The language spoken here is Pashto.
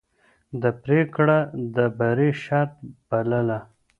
ده پرېکړه د بری شرط بلله.